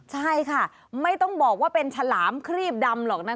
ใช่ค่ะไม่ต้องบอกว่าเป็นฉลามครีบดำหรอกนะคะ